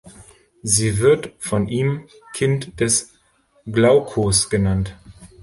Sie wird von ihm Kind des Glaukos genannt.